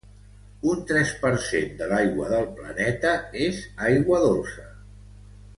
Un tres per cent de l'aigua del planeta és aigua dolça.